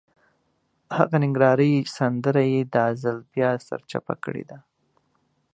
هغه ننګرهارۍ سندره یې دا ځل بیا سرچپه کړې ده.